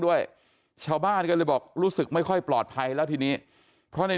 ด้วยชาวบ้านก็เลยบอกรู้สึกไม่ค่อยปลอดภัยแล้วทีนี้เพราะใน